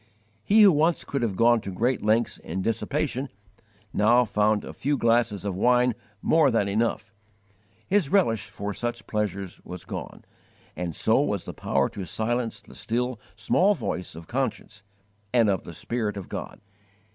He who once could have gone to great lengths in dissipation now found a few glasses of wine more than enough; his relish for such pleasures was gone, and so was the power to silence the still small voice of conscience and of the Spirit of God.